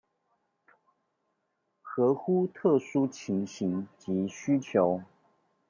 合乎特殊情形及需求